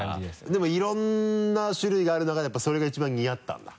でもいろんな種類がある中でやっぱそれが一番似合ったんだ？